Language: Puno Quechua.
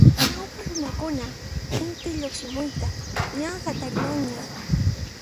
Ñawpaq runakunaqa Inti lluqsimuyta ña hatariranña.